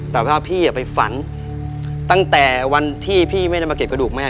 แต่ว่าพี่ไปฝันตั้งแต่วันที่พี่ไม่ได้มาเก็บกระดูกแม่